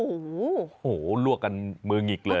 โอ้โหลวกกันมือหงิกเลย